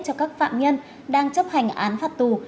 cho các phạm nhân đang chấp hành án phạt tù